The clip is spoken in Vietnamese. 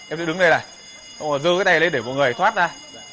em sẽ đứng đây này rồi dơ cái đè lên để mọi người thoát ra